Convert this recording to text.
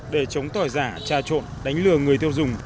để chống tỏi giả trà trộn đánh lừa người tiêu dùng